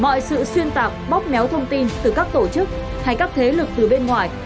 ngoại sự xuyên tạp bóp méo thông tin từ các tổ chức hay các thế lực từ bên ngoài